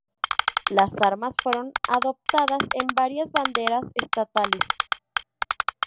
Las armas fueron adoptadas en varias banderas estatales.